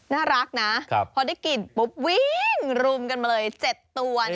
น่ารักนะพอได้กลิ่นปุ๊บวิ้งลุมกันมาเลยเจ็ดตัวเนี่ยค่ะ